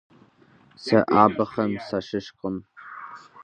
Сэ абыхэм сащыщкъым.